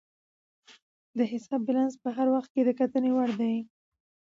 د حساب بیلانس په هر وخت کې د کتنې وړ وي.